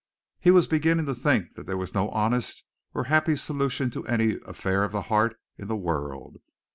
He was beginning to think that there was no honest or happy solution to any affair of the heart in the world.